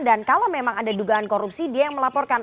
dan kalau memang ada dugaan korupsi dia yang melaporkan